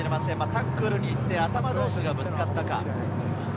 タックルに行って、頭同士がぶつかったか？